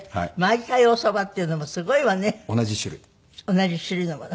同じ種類のもの？